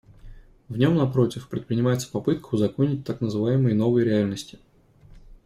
В нем, напротив, предпринимается попытка узаконить так называемые новые реальности.